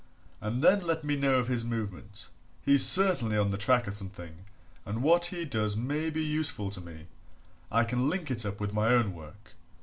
And then let me know of his movement he's certainly on the track of something, and what he does may be useful to me I can link it up with my own work.